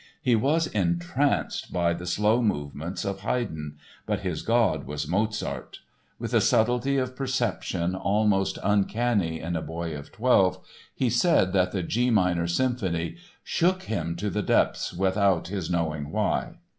He was "entranced" by the slow movements of Haydn, but his god was Mozart. With a subtlety of perception almost uncanny in a boy of twelve he said that the G minor Symphony "shook him to the depths without his knowing why."